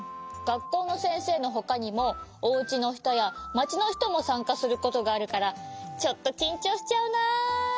がっこうのせんせいのほかにもおうちのひとやまちのひともさんかすることがあるからちょっときんちょうしちゃうなあ。